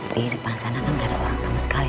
di depan sana kan nggak ada orang sama sekali